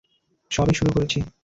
সবে শুরু করেছি।